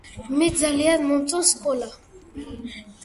მე ძალიან მომწონს სკოლა